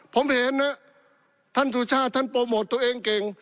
ผมเห็นนะท่านสุชาติท่านโปรโมทตัวเองเก่ง